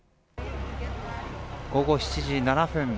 午後７時７分